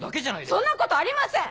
そんなことありません！